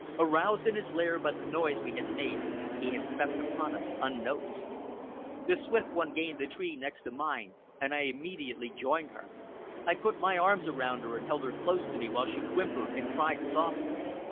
Aroused in his lair by the noise we had made, he had crept upon us unnoticed. The Swift One gained the next tree to mine, and I immediately joined her. I put my arms around her and held her close to me while she whimpered and cried softly.